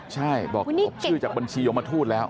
ใช่บอกพบชื่อจากบัญชียมทูตแล้ว